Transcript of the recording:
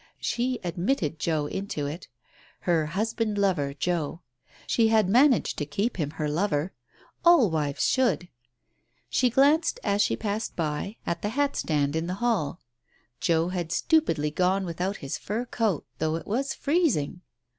She admitted Joe into it. Her husband lover, Joe. She had managed to keep him her lover. All wives should. She glanced, as she passed by, at Digitized by Google THE OPERATION 39 the hat stand in the hall. Joe had stupidly gone without his fur coat, though it was freezing.